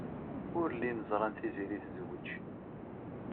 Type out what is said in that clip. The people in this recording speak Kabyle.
Ur llin ẓran Tiziri tezwej.